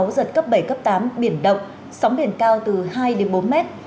giật cấp bảy tám biển động sóng biển cao từ hai bốn mét